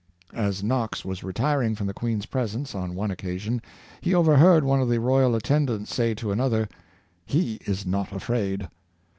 As Knox was retiring from the Queen's presence on one occasion he overheard one of the royal attendants say to another, " He is not afraid!"